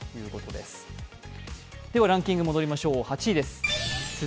では、ランキング戻りましょう、８位です。